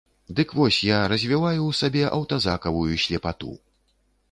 Дык вось я развіваю ў сабе аўтазакавую слепату.